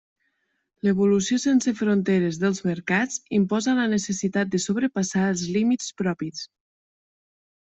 L'evolució sense fronteres dels mercats imposa la necessitat de sobrepassar els límits propis.